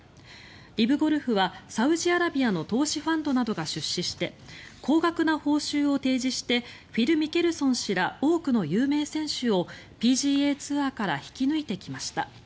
ＬＩＶゴルフはサウジアラビアの投資ファンドなどが出資して高額な報酬を提示してフィル・ミケルソン氏ら多くの有名選手をＰＧＡツアーから引き抜いてきました。